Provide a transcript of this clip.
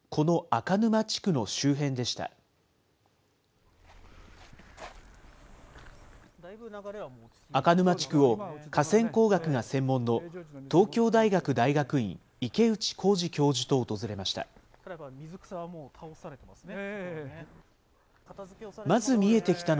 赤沼地区を、河川工学が専門の東京大学大学院、池内幸司教授と訪れました。